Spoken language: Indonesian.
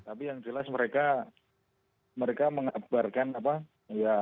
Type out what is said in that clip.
tapi yang jelas mereka mengabarkan apa ya